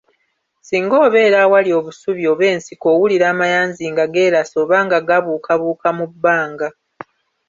Singa obeera awali obusubi oba ensiko owulira amayanzi nga geerasa oba nga gabuukabuuka mu bbanga.